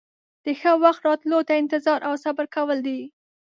د ښه وخت راتلو ته انتظار او صبر کول دي.